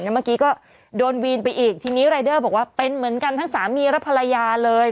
เมื่อกี้ก็โดนวีนไปอีกทีนี้รายเดอร์บอกว่าเป็นเหมือนกันทั้งสามีและภรรยาเลย